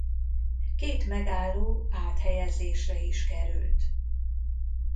Két megálló áthelyezésre is került.